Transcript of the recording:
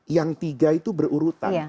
yang tiga itu berurutan